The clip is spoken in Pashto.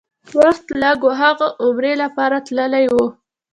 وخت لږ و، هغه عمرې لپاره تللی و.